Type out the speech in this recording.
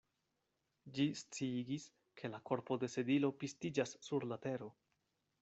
Ĝi sciigis, ke la korpo de Sedilo pistiĝas sur la tero.